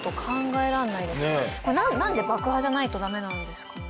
なんで爆破じゃないとダメなんですかね？